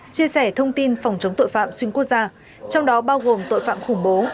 chia sẻ thông tin phòng chống tội phạm xuyên quốc gia trong đó bao gồm tội phạm khủng bố